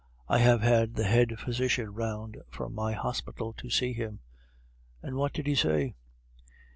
"I have had the head physician round from my hospital to see him." "And what did he say?"